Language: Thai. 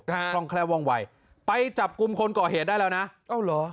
คล่องแคล่วว่องวัยไปจับกลุ่มคนก่อเหตุได้แล้วนะเอ้าเหรอ